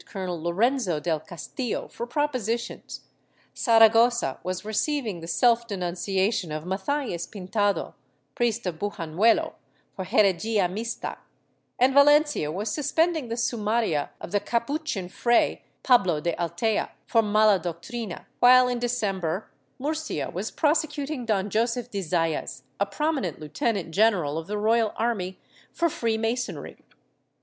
Colonel Lorenzo del Castillo for propositions; Saragossa was receiving the self denunciation of Mathias Pintado, priest of Bujanuelo, for heregia mista, and Valencia was suspending the sumaria of the Capuchin Fray Pablo de Altea for mala doctrina, while in December Murcia was prosecuting Don Josef de Zayas, a prominent lieutenant general of the royal army, for Free Masonry.'